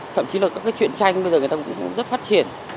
thậm chí là các cái chuyện tranh bây giờ người ta cũng rất phát triển